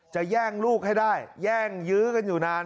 แย่งลูกให้ได้แย่งยื้อกันอยู่นาน